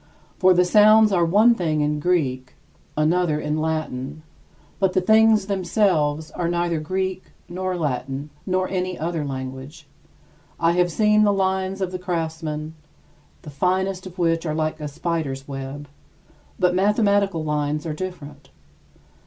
For the sounds are one thing in Greek, another in Latin; but the things themselves are neither Greek nor Latin nor any other language. I have seen the lines of the craftsmen, the finest of which are like a spider's web, but mathematical lines are different.